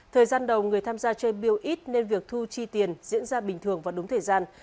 thời gian đầu người tham gia chơi biêu ít nên việc thu chi tiền diễn ra bình thường và đúng thời gian